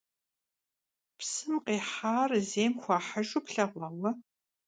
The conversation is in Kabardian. Psım khihar zêym xuahıjju plheğua vue?